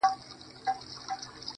صبر د انسان ارامي ده.